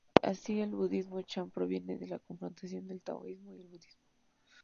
Así el Budismo Chan proviene de la confrontación del taoísmo y el budismo.